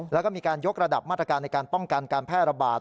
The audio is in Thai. แล้วก็มีการยกระดับมาตรการในการป้องกันการแพร่ระบาด